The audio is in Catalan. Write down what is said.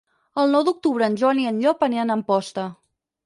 El nou d'octubre en Joan i en Llop aniran a Amposta.